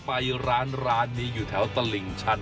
ไปร้านนี้อยู่แถวตลิ่งชัน